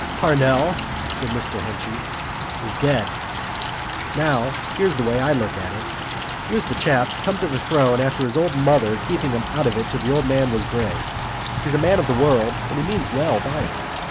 "Parnell," said Mr Henchy, "is dead. Now, here's the way I look at it. Here's this chap come to the throne after his old mother keeping him out of it till the man was grey. He's a man of the world, and he means well by us.